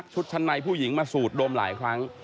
ชั้นในผู้หญิงมาสูดดมหลายครั้ง